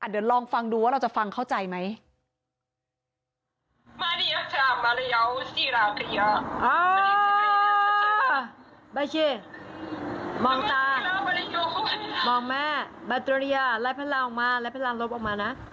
เดี๋ยวลองฟังดูว่าเราจะฟังเข้าใจไหม